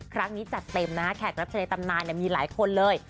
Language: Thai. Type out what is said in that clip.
ครั้งนี้จัดเต็มนะแขกรับชนัยตำนานมีหลายคนเลย